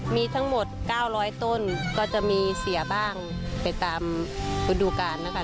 มีทั้งหมด๙๐๐ต้นก็จะมีเสียบ้างไปตามฤดูกาลนะคะ